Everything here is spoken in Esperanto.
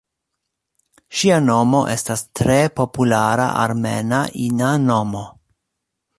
Ŝia nomo estas tre populara armena ina nomo.